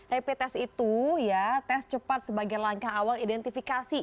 rapid test itu ya tes cepat sebagai langkah awal identifikasi